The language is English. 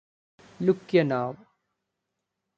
Lukyanov.